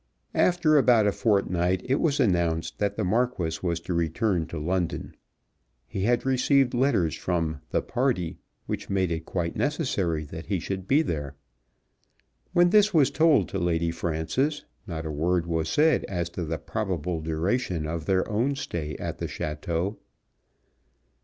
After about a fortnight it was announced that the Marquis was to return to London. He had received letters from "the party" which made it quite necessary that he should be there. When this was told to Lady Frances not a word was said as to the probable duration of their own stay at the château.